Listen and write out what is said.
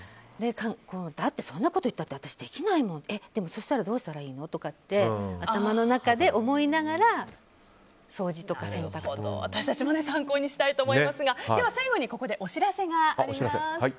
だってそんなこと言ったって私できないもんでもそうしたらどうしたらいいの？とか頭の中で思いながら私たちも参考にしたいと思いますが最後にここでお知らせがあります。